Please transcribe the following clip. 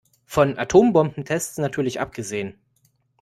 Von Atombombentests natürlich abgesehen.